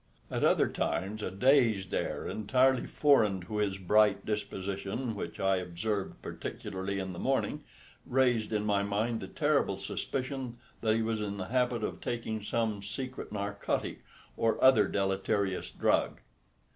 At other times a dazed air, entirely foreign to his bright disposition, which I observed particularly in the morning, raised in my mind the terrible suspicion that he was in the habit of taking some secret narcotic or other deleterious drug.